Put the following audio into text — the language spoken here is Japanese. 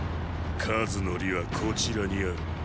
数の利はこちらにある。